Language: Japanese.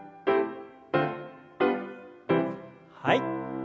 はい。